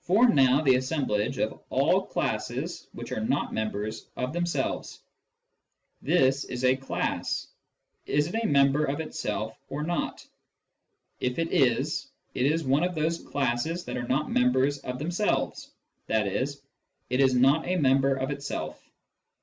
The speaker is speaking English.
Form now the assemblage of all classes which are not members Of themselves. This is a class : is it a member of itself or not ? If it is, it is one of those classes that are not members of themselves, i.e. it is not a member of itself.